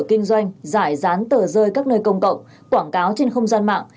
kinh doanh giải dán tờ rơi các nơi công cộng quảng cáo trên không gian mạng